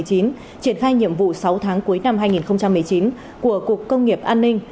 triển khai nhiệm vụ sáu tháng cuối năm hai nghìn một mươi chín của cục công nghiệp an ninh